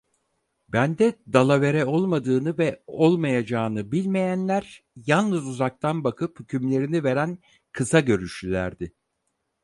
Bende dalavere olmadığını ve olmayacağını bilmeyenler yalnız uzaktan bakıp hükümlerini veren kısa görüşlülerdi…